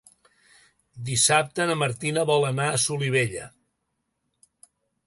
Dissabte na Martina vol anar a Solivella.